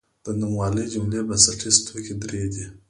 د نوموالي جملې بنسټیز توکي درې دي.